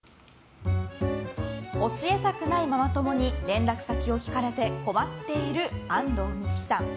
教えたくないママ友に連絡先を聞かれて困っている安藤美姫さん。